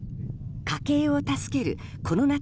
家計を助けるこの夏